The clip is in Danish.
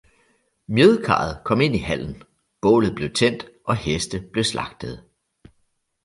Mjødkarret kom ind i Hallen, Baalet blev tændt og Heste bleve slagtede.